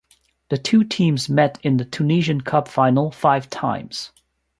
The two teams met in the Tunisian Cup final five times.